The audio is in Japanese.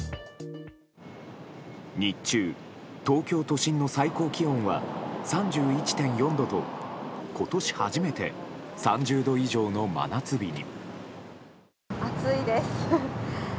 日中、東京都心の最高気温は３１．４度と今年初めて３０度以上の真夏日に。